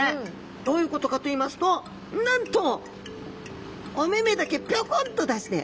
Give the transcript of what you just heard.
どういうことかといいますとなんとお目目だけぴょこんと出して。